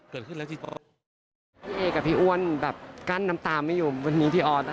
พี่เอกับพี่อ้วนแบบกั้นน้ำตาไม่อยู่วันนี้พี่ออดนะ